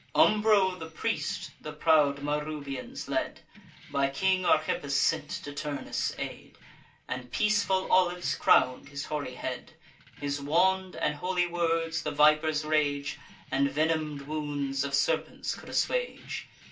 Umbro the priest the proud Marrubians led, By King Archippus sent to Turnus' aid, And peaceful olives crown'd his hoary head. His wand and holy words, the viper's rage, And venom'd wounds of serpents could assuage.